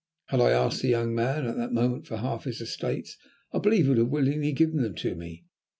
Had I asked the young man at that moment for half his estates I believe he would willingly have given them to me.